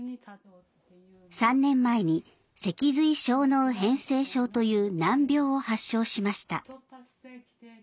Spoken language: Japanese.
３年前に脊髄小脳変性症という難病を発症しました。